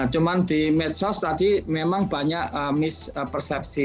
cuma di medsos tadi memang banyak mispersepsi